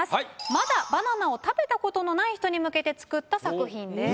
まだバナナを食べたことのない人に向けて作った作品です。